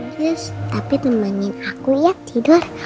yes tapi temenin aku ya tidur